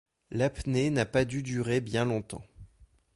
L’apnée n’a pas dû durer bien longtemps.